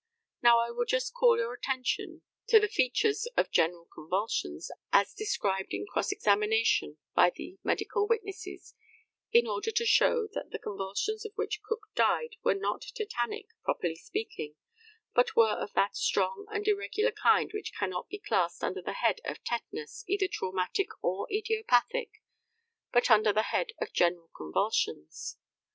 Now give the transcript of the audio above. Now, I will just call your attention to the features of general convulsions, as described in cross examination by the medical witnesses, in order to show that the convulsions of which Cook died were not tetanic, properly speaking, but were of that strong and irregular kind which cannot be classed under the head of tetanus, either traumatic or idiopathic, but under the head of general convulsions.